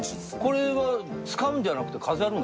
これは使うんじゃなくて飾るの？